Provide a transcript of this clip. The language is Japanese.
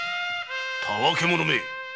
たわけ者め！